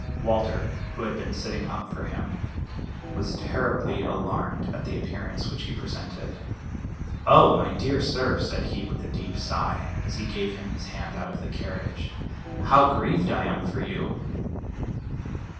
Walter, who had been sitting up for him, was terribly alarmed at the appearance which he presented. "Oh, my dear sir," said he, with a deep sigh, as he gave him his hand out of the carriage, "how grieved I am for you!"